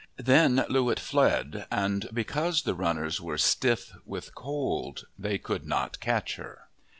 Then Loo wit fled and because the run ners were stiff with cold, they could not catch her.